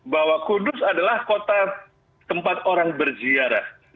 bahwa kudus adalah kota tempat orang berziarah